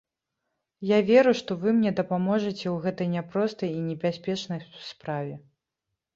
Я веру, што вы мне дапаможаце ў гэтай няпростай і небяспечнай справе.